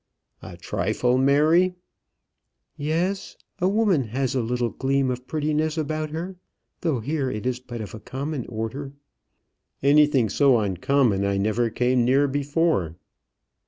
"A trifle, Mary!" "Yes. A woman has a little gleam of prettiness about her, though here it is but of a common order." "Anything so uncommon I never came near before."